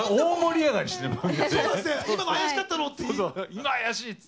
今、怪しいって。